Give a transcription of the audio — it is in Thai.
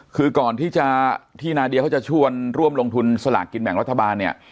คือก่อนที่นาเดียเขาจะชวนร่วมลงทุนสลากกินแบ่งรัฐบาลเนี่ย